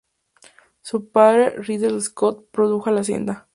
Su padre, Ridley Scott, produjo la cinta.